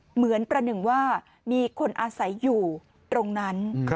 เหมือนประหนึ่งว่ามีคนอาศัยอยู่ตรงนั้น